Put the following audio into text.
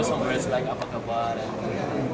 saya tahu beberapa kata seperti apa kabar terima kasih